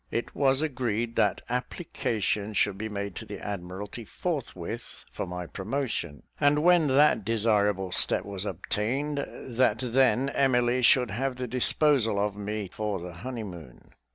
It was agreed that application should be made to the Admiralty forthwith for my promotion; and when that desirable step was obtained, that then Emily should have the disposal of me for the honeymoon.